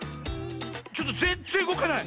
ちょっとぜんぜんうごかない。